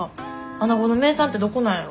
アナゴの名産ってどこなんやろ？